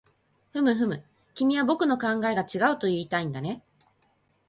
ふむふむ、君は僕の考えが違うといいたいんだね